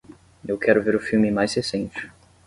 Eu quero ver o filme mais recente.